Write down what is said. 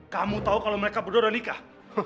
kamu tahu kalau mereka berdua udah nikah